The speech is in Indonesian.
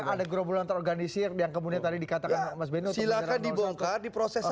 ada gerobolan terorganisir yang kemudian tadi dikatakan mas ben silahkan dibongkar diproses